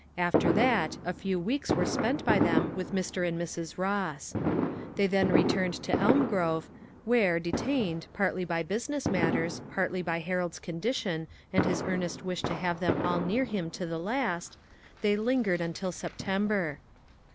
After that, a few weeks were spent by them with Mr. and Mrs. Ross. They then returned to Elmgrove, where, detained, partly by business matters, partly by Harold's condition and his earnest wish to have them all near him to the last, they lingered until September.